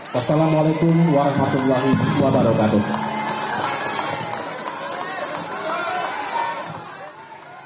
wassalamualaikum warahmatullahi wabarakatuh